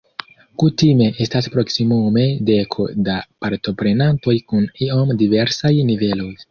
Kutime estas proksimume deko da partoprenantoj kun iom diversaj niveloj.